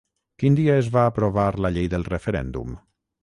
Quin dia es va aprovar la Llei del Referèndum?